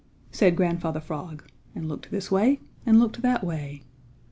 said Grandfather Frog, and looked this way and looked that way.